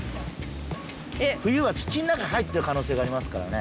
冬は土の中に入ってる可能性がありますからね。